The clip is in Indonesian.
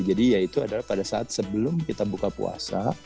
jadi ya itu adalah pada saat sebelum kita buka puasa